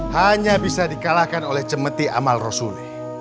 hanya bisa di kalahkan oleh cemeti amal rasul